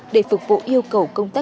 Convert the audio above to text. để phục vụ yêu cầu công tác